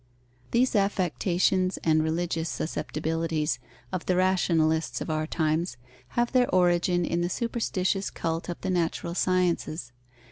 These affectations and religious susceptibilities of the rationalists of our times have their origin in the superstitious cult of the natural sciences.